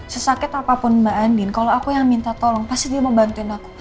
sesakit apapun mbak andin kalau aku yang minta tolong pasti dia mau bantuin aku